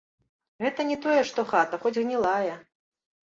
Гэта ні тое што хата, хоць гнілая.